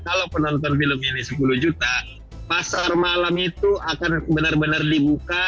kalau penonton film ini sepuluh juta pasar malam itu akan benar benar dibuka